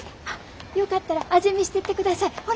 あっよかったら味見してってください。